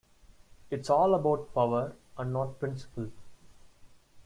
It's all about power and not principle.